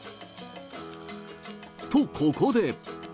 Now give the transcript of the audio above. と、ここで。